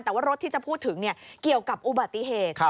แต่ว่ารถที่จะพูดถึงเกี่ยวกับอุบัติเหตุ